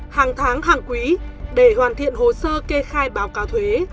hàng tháng hàng quý để hoàn thiện hồ sơ kê khai báo cáo thuế